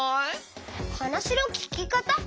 はなしのききかた？